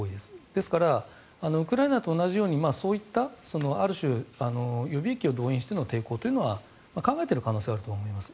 ですからウクライナと同じようにそういったある種、予備役を導入してというのは考えている可能性はあると思います。